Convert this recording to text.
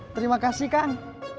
terima kasih kang